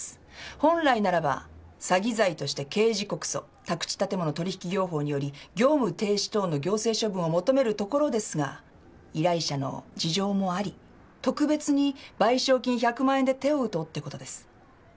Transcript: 本来ならば詐欺罪として刑事告訴宅地建物取引業法により業務停止等の行政処分を求めるところですが依頼者の事情もあり特別に賠償金１００万円で手を打とうってことです。